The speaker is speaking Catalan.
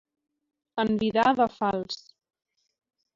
Envidar de fals.